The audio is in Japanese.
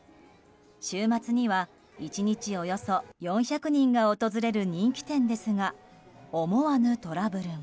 週末には１日およそ４００人が訪れる人気店ですが思わぬトラブルが。